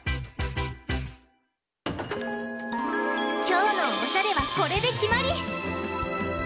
きょうのおしゃれはこれできまり！